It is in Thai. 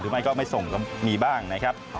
ไม่ก็ไม่ส่งก็มีบ้างนะครับ